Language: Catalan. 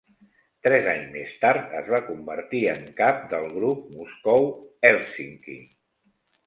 Tres anys més tard es va convertir en cap del Grup Moscou Hèlsinki.